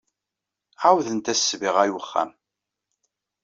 Ɛawdent-as ssbiɣa i wexxam.